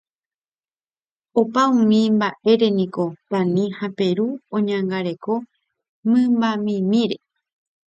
Opa umi mba'éreniko Tani ha Peru oñangareko mymbamimíre.